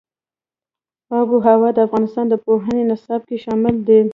آب وهوا د افغانستان د پوهنې نصاب کې شامل دي.